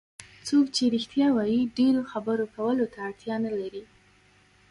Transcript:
څوک چې رښتیا وایي ډېرو خبرو کولو ته اړتیا نه لري.